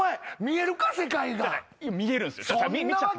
見えるんすよ。